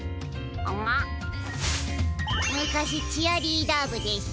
むかしチアリーダーぶでした。